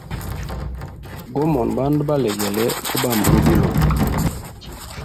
Gomona bandu balegele gobamba lubilo.